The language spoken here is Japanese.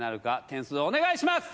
点数お願いします！